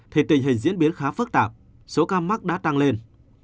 thì tình hình diễn biến khá phức tạp số ca mắc đã tăng lên